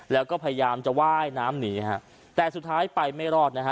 แล้วก็พยายามจะว่ายน้ำหนีฮะแต่สุดท้ายไปไม่รอดนะฮะ